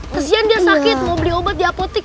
kesian dia sakit mau beli obat di apotik